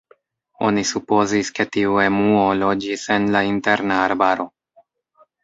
Oni supozis ke tiu emuo loĝis en la interna arbaro.